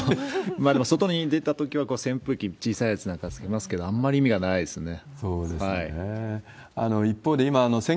まあ、でも外に出たときは扇風機、小さいやつなんかつけますけど、あんまり意味がないですね。